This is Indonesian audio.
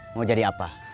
mau jadi apa